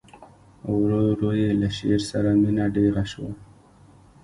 ورو ورو یې له شعر سره مینه ډېره شوه